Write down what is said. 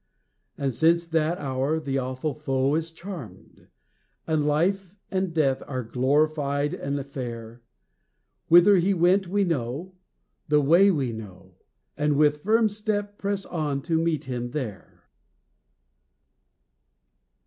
And since that hour the awful foe is charmed, And life and death are glorified and fair; Whither He went we know, the way we know, And with firm step press on to meet him there.